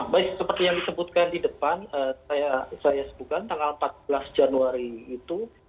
baik seperti yang disebutkan di depan saya sebutkan tanggal empat belas januari itu